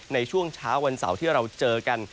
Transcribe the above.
ในช่วงเช้าวันเสาร์ที่เราเจอกัน